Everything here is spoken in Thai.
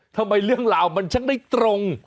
ทำไมเรื่องราวมันชักได้ตรง